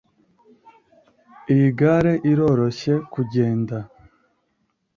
Iyi gare iroroshye kugenda